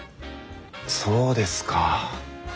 そうですか。